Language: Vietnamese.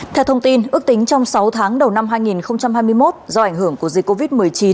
theo thông tin ước tính trong sáu tháng đầu năm hai nghìn hai mươi một do ảnh hưởng của dịch covid một mươi chín